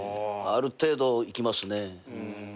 ある程度いきますね。